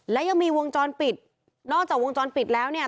และยังมีวงจรปิดนอกจากวงจรปิดแล้วเนี่ย